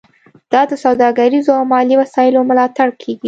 دا د سوداګریزو او مالي وسایلو ملاتړ کیږي